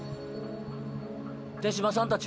手嶋さんたちは？